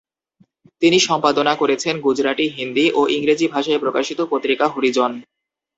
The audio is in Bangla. তিনি সম্পাদনা করেছেন গুজরাটি, হিন্দি ও ইংরেজি ভাষায় প্রকাশিত পত্রিকা হরিজন।